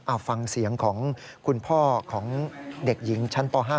เอาฟังเสียงของคุณพ่อของเด็กหญิงชั้นป๕